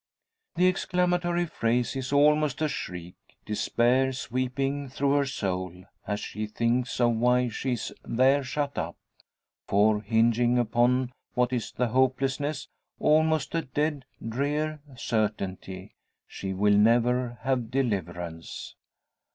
The exclamatory phrase is almost a shriek; despair sweeping through her soul, as she thinks of why she is there shut up. For hingeing upon that is the hopelessness, almost a dead, drear certainty, she will never have deliverance!